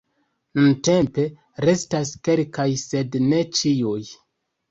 Nuntempe restas kelkaj sed ne ĉiuj.